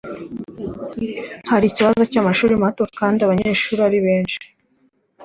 Hari ikibazo cy'amashuri mato kandi abanyeshuri ari benshi